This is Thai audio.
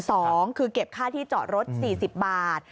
สองคือเก็บค่าที่จอดรถ๔๐บาท